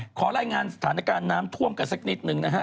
ขอรายงานสถานการณ์น้ำท่วมกันสักนิดนึงนะฮะ